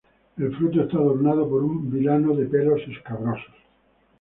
El fruto está adornado por un vilano de pelos escabroso.